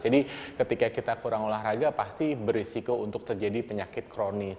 jadi ketika kita kurang olahraga pasti berisiko untuk terjadi penyakit kronis